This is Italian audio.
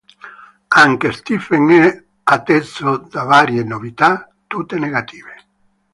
Anche Stephen è atteso da varie novità, tutte negative.